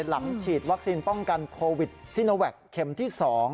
หลังฉีดวัคซีนป้องกันโควิดซิโนแวคเข็มที่๒